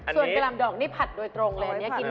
ส่วนกะหล่ำดอกนี่ผัดโดยตรงเลยเนี่ย